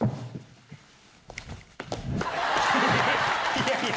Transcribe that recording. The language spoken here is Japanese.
いやいや！